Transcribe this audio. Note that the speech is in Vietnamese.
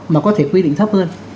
mà có thể quy định thấp hơn